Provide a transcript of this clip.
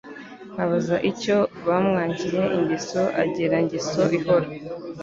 Nkabaza icyo bamwangiye Ingeso agira Ngeso ihora,